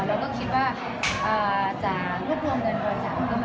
แล้วก็คิดว่าจะรวบรวมเงินโดยอาจารย์